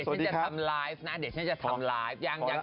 จริงเนี่ยนะต่อไปนี้นะเดี๋ยวฉันจะทำไลฟ์นะ